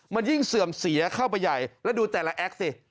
มันยิ่งเสื่อมเสียเข้าไปใหญ่แล้วดูแต่ละแอคสิ